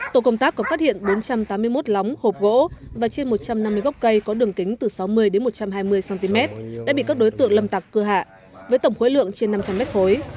tổ công tác còn phát hiện bốn trăm tám mươi một lóng hộp gỗ và trên một trăm năm mươi gốc cây có đường kính từ sáu mươi một trăm hai mươi cm đã bị các đối tượng lâm tặc cưa hạ với tổng khối lượng trên năm trăm linh mét khối